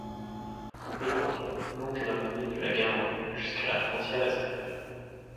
Le canton longe la vallée de la Garonne jusqu'à la frontière espagnole.